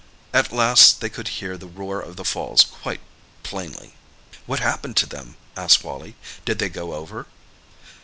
At last they could hear the roar of the falls quite plainly." "What happened to them?" asked Wally. "Did they go over?"